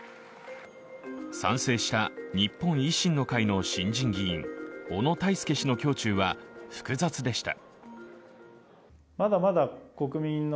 賛成した日本維新の会の新人議員小野泰輔氏の胸中は複雑でした。